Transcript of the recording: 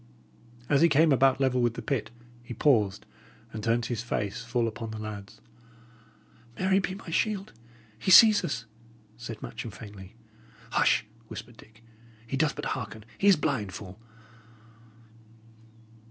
As he came about level with the pit, he paused, and turned his face full upon the lads. "Mary be my shield! He sees us!" said Matcham, faintly. "Hush!" whispered Dick. "He doth but hearken. He is blind, fool!"